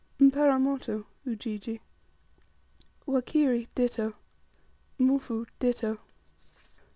Mparamoto, Ujiji. 43. Wakiri, ditto. 44. Mufu, ditto.